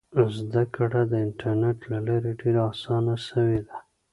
زده کړه د انټرنیټ له لارې ډېره اسانه سوې ده.